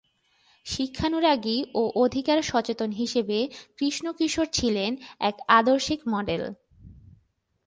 শিক্ষানুরাগী ও অধিকার সচেতন হিসেবে কৃষ্ণ কিশোর ছিলেন এক আদর্শিক মডেল।